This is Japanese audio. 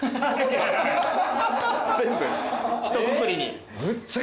全部ひとくくりに。